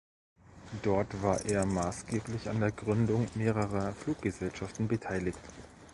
Dort war er maßgeblich an der Gründung mehrerer Fluggesellschaften beteiligt.